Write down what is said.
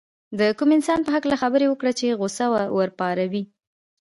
د کوم انسان په هکله خبره وکړو چې غوسه وپاروي.